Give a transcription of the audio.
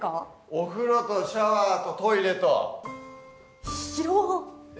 お風呂とシャワーとトイレと広っ！